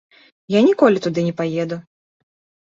Я ніколі туды не паеду.